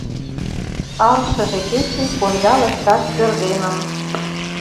Ал шыже кече конда лышташ пӧрдемым.